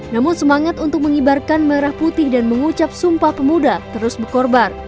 namun semangat untuk mengibarkan merah putih dan mengucap sumpah pemuda terus berkorban